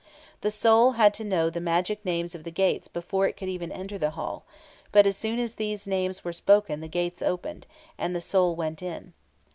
The soul had to know the magic names of the gates before it could even enter the Hall; but as soon as these names were spoken the gates opened, and the soul went in.